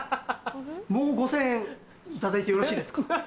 もう５０００円頂いてよろしいですか。